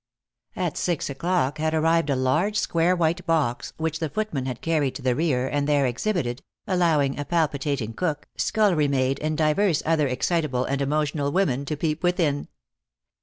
At six o'clock had arrived a large square white box, which the footman had carried to the rear and there exhibited, allowing a palpitating cook, scullery maid and divers other excitable and emotional women to peep within.